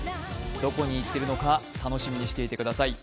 どこに行っているのか、楽しみにしていてください。